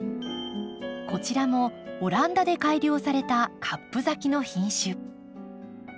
こちらもオランダで改良されたカップ咲きの品種。